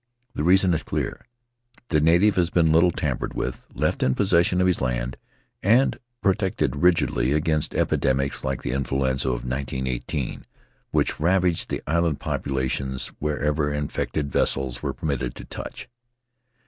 The reason is clear — the native has been little tampered with, left in possession of his land, and protected rigidly against epidemics like the influenza of 1918, which ravaged the island populations wherever infected vessels were permitted to touch.